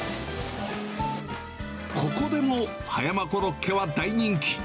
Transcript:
ここでも葉山コロッケは大人気。